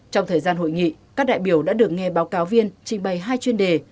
trong thời gian hội nghị các đại biểu đã được nghe báo cáo viên trình bày hai chuyên đề